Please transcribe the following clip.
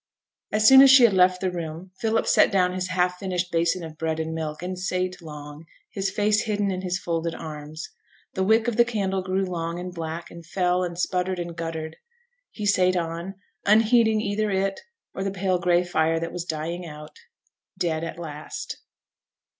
As soon as she had left the room, Philip set down his half finished basin of bread and milk, and sate long, his face hidden in his folded arms. The wick of the candle grew long and black, and fell, and sputtered, and guttered; he sate on, unheeding either it or the pale gray fire that was dying out dead at last.